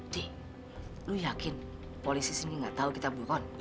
d lu yakin polisi sini nggak tahu kita buron